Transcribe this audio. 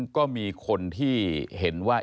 ก็มีคนที่เห็นว่า